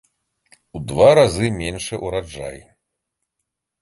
У два разы меншы ўраджай.